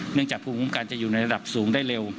จากภูมิคุ้มกันจะอยู่ในระดับสูงได้เร็ว